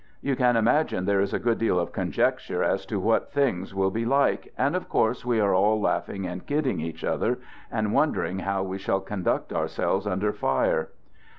You can imagine there is a good deal of conjecture as to what things will be like, and, of course, we are all laughing and ' kidding ' each other, and wondering how we shall conduct ourselves under fire.